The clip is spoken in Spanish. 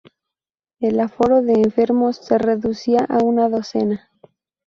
El aforo de enfermos se reducía a una docena.